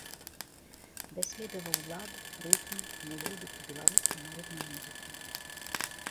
Даследаваў лад, рытм, мелодыку беларускай народнай музыкі.